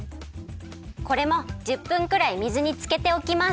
これも１０分くらい水につけておきます。